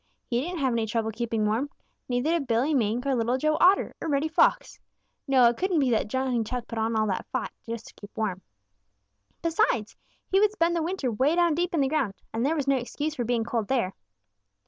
He didn't have any trouble keeping warm. Neither did Billy Mink or Little Joe Otter or Reddy Fox. No, it couldn't be that Johnny Chuck put on all that fat just to keep warm. Besides, he would spend the winter way down deep in the ground, and there was no excuse for being cold there.